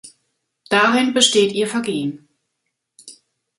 Darin besteht ihr Vergehen.